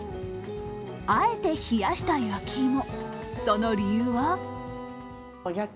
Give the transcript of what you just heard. あえて冷やした焼き芋。